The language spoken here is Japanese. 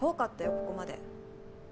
ここまで。